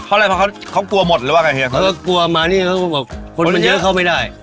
เพราะอะไรเพราะเขากลัวหมดหรือเปล่าค่ะเฮีย